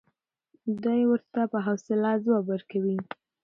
دی ورته په حوصله ځواب ورکوي.